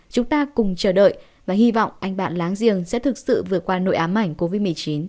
chúng ta cùng chờ đợi và hy vọng anh bạn láng giềng sẽ thực sự vượt qua nội ám ảnh covid một mươi chín